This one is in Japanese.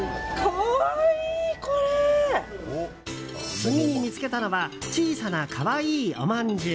次に見つけたのは小さな可愛いおまんじゅう。